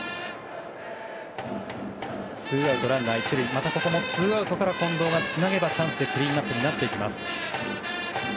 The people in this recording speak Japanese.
またここもツーアウトから近藤がつなげばチャンスでクリーンアップになっていきます。